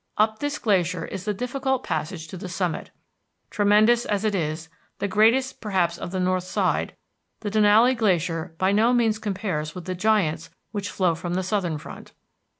Up this glacier is the difficult passage to the summit. Tremendous as it is, the greatest perhaps of the north side, the Denali Glacier by no means compares with the giants which flow from the southern front.